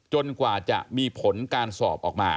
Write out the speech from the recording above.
กว่าจะมีผลการสอบออกมา